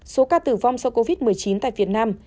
số ca tử vong do covid một mươi chín tại việt nam